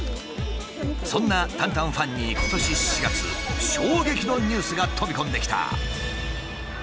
そんなタンタンファンに今年４月衝撃のニュースが飛び込んできた。